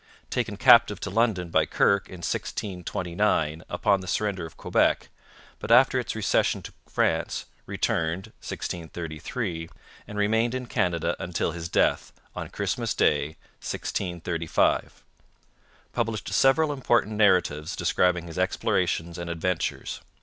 Taken a captive to London by Kirke in 1629 upon the surrender of Quebec, but after its recession to France returned (1633) and remained in Canada until his death, on Christmas Day 1635. Published several important narratives describing his explorations and adventures.